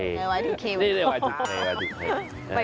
เอาไวทูเคไปรุ่นตัวเอง